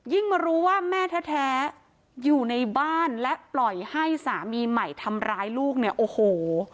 มารู้ว่าแม่แท้อยู่ในบ้านและปล่อยให้สามีใหม่ทำร้ายลูกเนี่ยโอ้โห